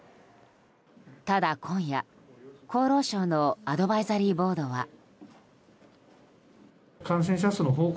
ただ今夜、厚労省のアドバイザリーボードは。